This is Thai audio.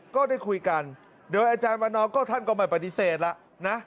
ก็ได้คุยกันโดยอาจารย์วันนอร์ก็ท่านก็ไม่ปฏิเสธแล้วนะ